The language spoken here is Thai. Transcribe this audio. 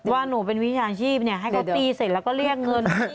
ว่าหนูเป็นวิชาชีพให้เขาตีเสร็จแล้วก็เรียกเงิน